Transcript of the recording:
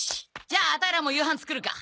じゃあアタイらも夕飯作るか。